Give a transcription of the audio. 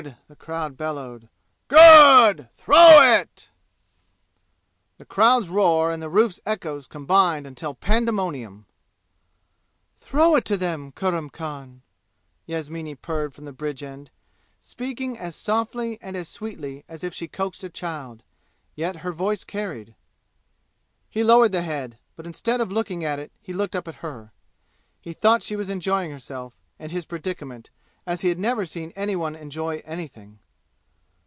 the crowd bellowed. "Good! Throw it!" The crowd's roar and the roof's echoes combined until pandemonium. "Throw it to them, Kurram Khan!" Yasmini purred from the bridge end, speaking as softly and as sweetly, as if she coaxed a child. Yet her voice carried. He lowered the head, but instead of looking at it he looked up at her. He thought she was enjoying herself and his predicament as he had never seen any one enjoy anything.